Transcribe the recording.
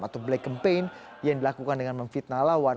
atau black campaign yang dilakukan dengan memfitnah lawan